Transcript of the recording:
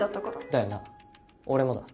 だよな俺もだ。